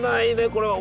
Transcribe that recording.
これは！